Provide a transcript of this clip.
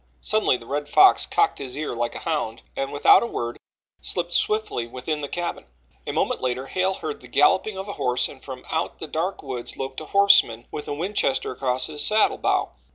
Suddenly the Red Fox cocked his ear like a hound, and without a word slipped swiftly within the cabin. A moment later Hale heard the galloping of a horse and from out the dark woods loped a horseman with a Winchester across his saddle bow.